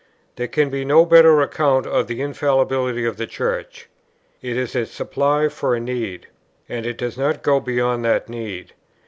There can be no better account of the Infallibility of the Church. It is a supply for a need, and it does not go beyond that need.